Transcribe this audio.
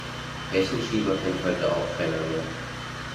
Rechenschieber kennt heute auch keiner mehr.